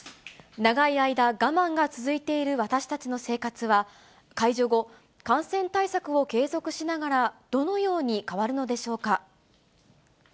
長い間、我慢が続いている私たちの生活は、解除後、感染対策を継続しながらどのように変わるのでしょうか。